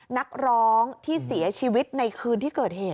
นักร้องที่เสียชีวิตในคืนที่เกิดเหตุ